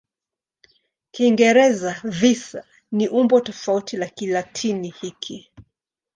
Kiingereza "visa" ni umbo tofauti la Kilatini hiki.